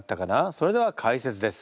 それでは解説です。